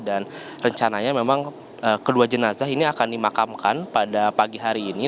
dan rencananya memang kedua jenazah ini akan dimakamkan pada pagi hari ini